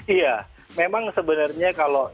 iya memang sebenarnya kalau